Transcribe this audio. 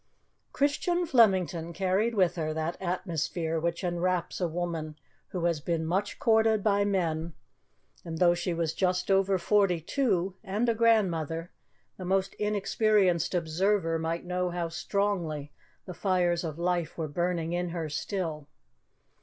Christian Flemington carried with her that atmosphere which enwraps a woman who has been much courted by men, and, though she was just over forty two, and a grandmother, the most inexperienced observer might know how strongly the fires of life were burning in her still.